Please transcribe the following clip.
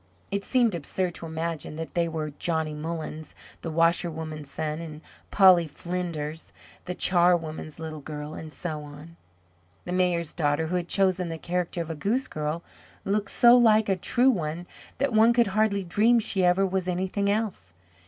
It seemed absurd to imagine that they were Johnny Mullens, the washerwoman's son, and Polly Flinders, the charwoman's little girl, and so on. The Mayor's daughter, who had chosen the character of a goose girl, looked so like a true one that one could hardly dream she ever was anything else.